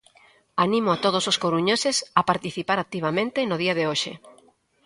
Animo a todos os coruñeses a participar activamente no día de hoxe.